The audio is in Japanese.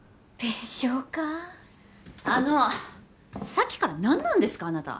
さっきから何なんですかあなた。